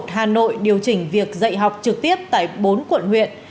hà nội điều chỉnh việc dạy học trực tiếp tại bốn quận huyện